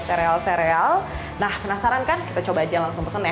sereal sereal nah penasaran kan kita coba aja langsung pesen ya